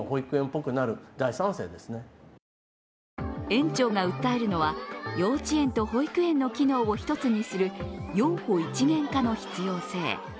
園長が訴えるのは、幼稚園と保育園の機能を一つにする幼保一元化の必要性。